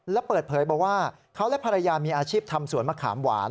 และเปิดเผยบอกว่าเขาและภรรยามีอาชีพทำสวนมะขามหวาน